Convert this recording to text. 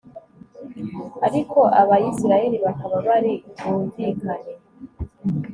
ariko abayisraheli bakaba bari bumvikanye